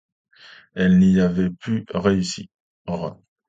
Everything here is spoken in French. Elle n’y avait pu réussir.